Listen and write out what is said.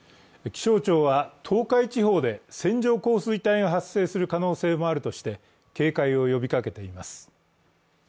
気象庁は東海地方で線状降水帯が発生する可能性もあるとして警戒を呼びかけています。